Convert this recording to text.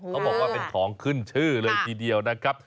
เขาบอกว่าเป็นของขึ้นชื่อเลยทีเดียวนะครับ